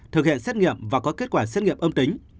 thực hiện xét nghiệm và có kết quả xét nghiệm âm tính